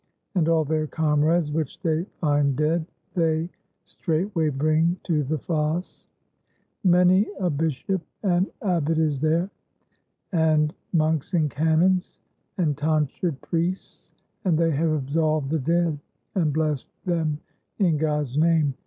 And all their comrades which they find dead they straightway bring to the fosse. Many a bishop and abbot is there, and monks and canons and tonsured priests, and they have absolved the dead, and blessed them in God's name.